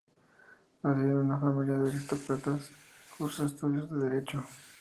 Nacido en una familia de aristócratas cursa estudios de Derecho.